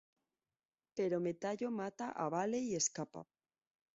Pero Metallo mata a Vale y escapa.